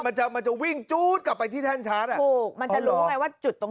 มันจะมันจะวิ่งจู๊ดกลับไปที่แท่นชาร์จอ่ะถูกมันจะรู้ไงว่าจุดตรง